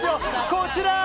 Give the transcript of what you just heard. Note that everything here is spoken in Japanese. こちら！